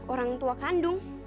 orang tua kandung